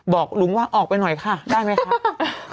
บอกลุงว่าออกไปหน่อยค่ะได้ไหมคะ